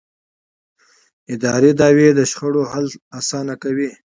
اداري دعوې د شخړو حل اسانه کوي.